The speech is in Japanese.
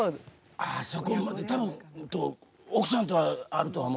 あそこまで多分奥さんとはあるとは思うんですけど。